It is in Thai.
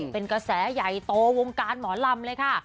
เป็นกระแสใหญ่โตวงการหมอลำเลยค่ะ